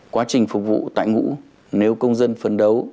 quá trình phục vụ tại ngũ nếu công dân phấn đấu